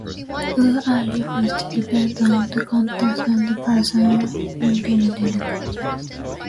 Whom "I" refers to depends on the context and the person uttering it.